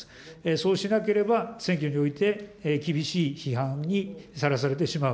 そうしなければ選挙において厳しい批判にさらされてしまう。